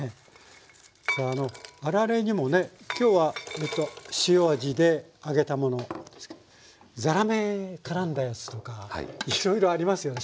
さああのあられにもね今日は塩味で揚げたものですけどざらめからんだやつとかいろいろありますよね